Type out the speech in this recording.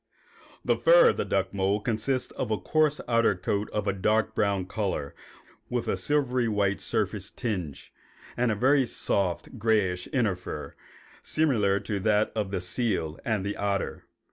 The fur of the duck mole consists of a coarse outer coat of a dark brown color with a silvery white surface tinge, and a very soft, grayish inner fur, similar to that of the seal and the otter.